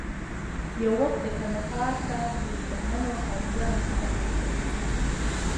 یو وخت د کندهار د ښار په شتمنو حاجیانو کې شامل شو.